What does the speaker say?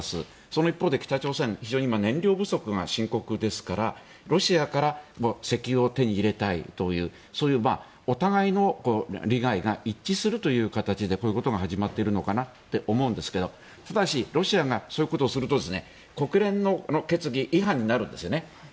その一方で北朝鮮、非常に今燃料不足が深刻ですからロシアから石油を手に入れたいというそういうお互いの利害が一致するという形でこういうことが始まっているのかなと思うんですがただしロシアがそういうことをすると国連の決議違反になるんですよね。